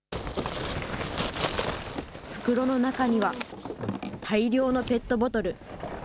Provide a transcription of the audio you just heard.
袋の中には、大量のペットボトル。